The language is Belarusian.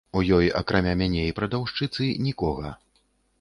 У ёй, акрамя мяне і прадаўшчыцы, нікога.